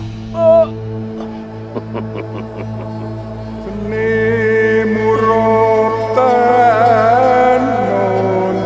amboing akan mengikuti perintah resi